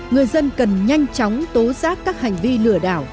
người dân cần nhanh chóng tố giác các hành vi lừa đảo